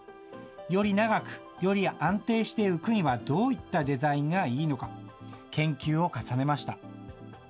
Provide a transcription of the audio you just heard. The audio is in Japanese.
より長く、より安定して浮くにはどういったデザインがいいのか、研究を重ねました。